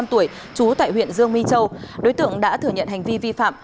sáu mươi năm tuổi chú tại huyện dương minh châu đối tượng đã thừa nhận hành vi vi phạm